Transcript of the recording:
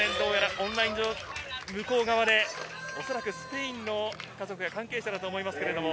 オンラインの向こう側でスペインの家族や関係者だと思います。